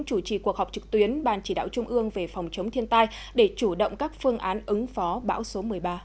chủ trì cuộc họp trực tuyến ban chỉ đạo trung ương về phòng chống thiên tai để chủ động các phương án ứng phó bão số một mươi ba